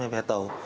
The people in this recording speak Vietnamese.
hay vé tàu